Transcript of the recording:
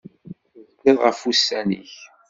Tezgiḍ ɣef ussan-ik.